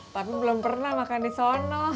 tapi belum pernah makan di sana